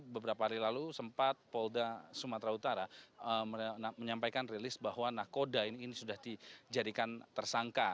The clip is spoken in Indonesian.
beberapa hari lalu sempat polda sumatera utara menyampaikan rilis bahwa nakoda ini sudah dijadikan tersangka